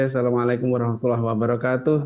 assalamualaikum warahmatullahi wabarakatuh